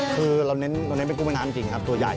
คือเราเน้นตัวเน้นเป็นกุ้งแม่น้ำจริงครับตัวใหญ่